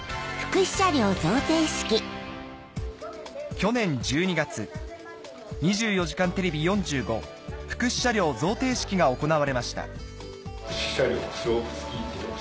去年１２月『２４時間テレビ４５』福祉車両贈呈式が行われました福祉車両スロープ付き自動車。